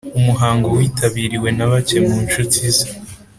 umuhango witabiriwe na bake mu nshuti ze